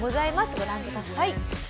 ご覧ください。